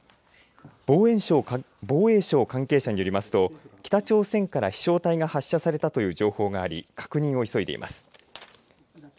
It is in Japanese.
防衛省関係者によりますと北朝鮮から飛しょう体が発射されたという情報があり、確認を急いでいます。